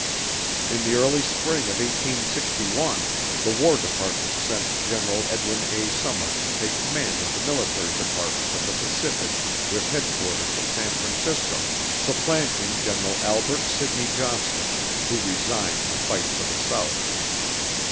In the early spring of 1861, the War Department sent General Edwin A. Sumner to take command of the Military Department of the Pacific with headquarters at San Francisco, supplanting General Albert Sidney Johnston who resigned to fight for the South.